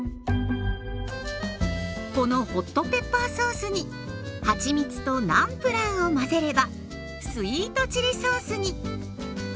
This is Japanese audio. このホットペッパーソースにはちみつとナムプラーを混ぜればスイートチリソースに。